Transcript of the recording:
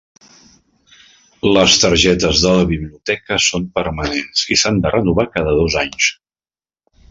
Les targetes de la biblioteca són permanents i s'han de renovar cada dos anys.